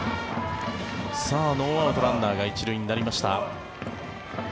ノーアウトランナーが１塁になりました。